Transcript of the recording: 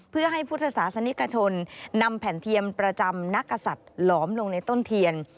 เพื่อให้พุทธศาสนิกชนนำแผ่นเทียมประจำนักกษัตริย์หลอมลงในต้นเทียน